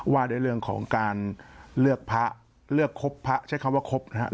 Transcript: ว่าด้วยเรื่องของการเลือกพระเลือกครบพระใช้คำว่าครบนะครับ